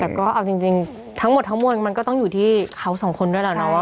แต่ก็เอาจริงทั้งหมดทั้งมวลมันก็ต้องอยู่ที่เขาสองคนด้วยแหละเนาะ